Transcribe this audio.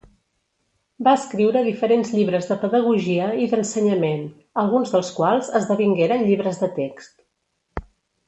Va escriure diferents llibres de pedagogia i d’ensenyament, alguns dels quals esdevingueren llibres de text.